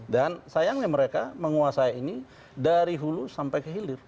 dan sayangnya mereka menguasai ini dari hulu sampai kehilir